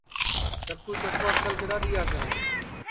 چکُو چکُو کِدؔا اکل دؔئیا کرا